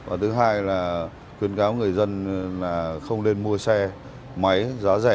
và thứ hai là khuyến cáo người dân là không nên mua xe máy giá rẻ